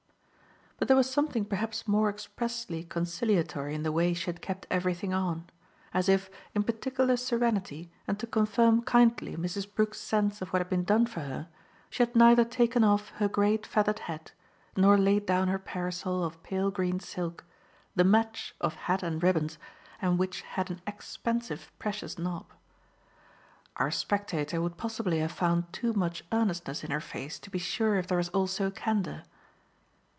But there was something perhaps more expressly conciliatory in the way she had kept everything on: as if, in particular serenity and to confirm kindly Mrs. Brook's sense of what had been done for her, she had neither taken off her great feathered hat nor laid down her parasol of pale green silk, the "match" of hat and ribbons and which had an expensive precious knob. Our spectator would possibly have found too much earnestness in her face to be sure if there was also candour.